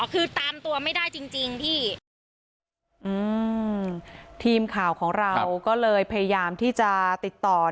คือตามตัวไม่ได้จริงจริงพี่อืมทีมข่าวของเราก็เลยพยายามที่จะติดต่อ